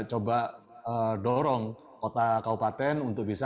coba dorong kota kaupaten untuk bisa